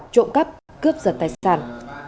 trộm cắp cướp giật tài sản